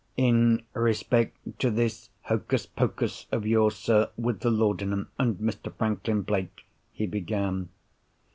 "In respect to this hocus pocus of yours, sir, with the laudanum and Mr. Franklin Blake," he began.